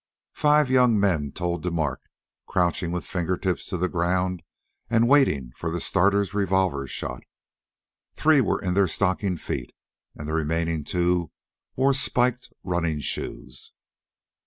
Five young men toed the mark, crouching with fingertips to the ground and waiting the starter's revolver shot. Three were in their stocking feet, and the remaining two wore spiked running shoes.